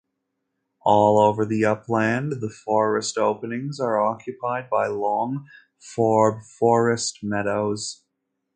All over the upland the forest openings are occupied by long forb forest meadows.